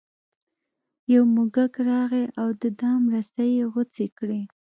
یو موږک راغی او د دام رسۍ یې غوڅې کړې.